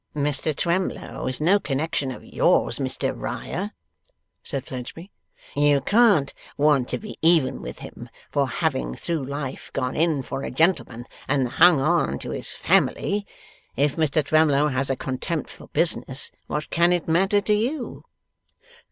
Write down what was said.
'Mr Twemlow is no connexion of yours, Mr Riah,' said Fledgeby; 'you can't want to be even with him for having through life gone in for a gentleman and hung on to his Family. If Mr Twemlow has a contempt for business, what can it matter to you?